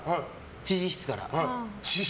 知事室から。